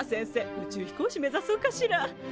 宇宙飛行士目ざそうかしら。